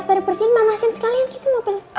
biar bersihin manasin sekalian gitu mobilnya